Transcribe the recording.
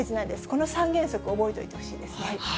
この３原則、覚えておいてほしいですね。